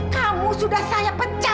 kamu sudah saya pecah